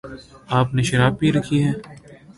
آپ نے شراب پی رکھی ہے؟